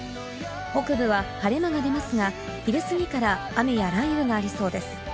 北部は晴れ間が出ますが、昼すぎから雨や雷雨がありそうです。